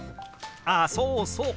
あそうそう。